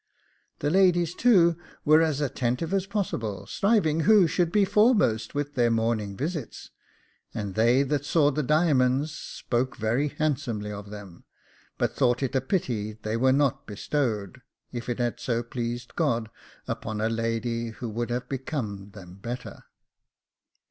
The ladies too were as attentive as possible, striving who should be foremost with their morning visits; and they that saw the diamonds spoke very handsomely of them, but thought it a pity they were not bestowed, if it had so pleased God, upon a lady who would have become them better.